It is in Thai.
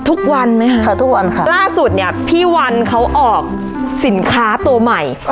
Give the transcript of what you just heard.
ทุกวันไหมคะค่ะทุกวันค่ะล่าสุดเนี่ยพี่วันเขาออกสินค้าตัวใหม่